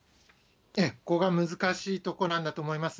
ここが難しいところなんだと思います。